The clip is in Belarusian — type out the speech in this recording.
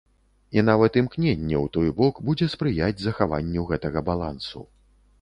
І нават імкненне ў той бок будзе спрыяць захаванню гэтага балансу.